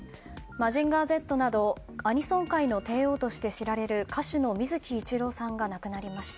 「マジンガーＺ」などアニソン界の帝王として知られる歌手の水木一郎さんが亡くなりました。